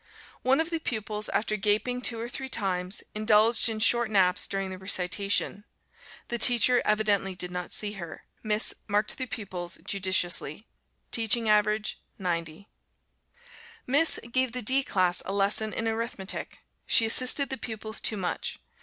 One of the pupils, after gaping two or three times, indulged in short naps during the recitation; the teacher evidently did not see her. Miss marked the pupils judiciously. Teaching average 90. Miss gave the D class a lesson in Arithmetic. She assisted the pupils too much.